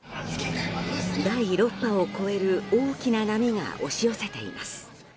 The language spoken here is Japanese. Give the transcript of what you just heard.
第６波を超える大きな波が押し寄せています。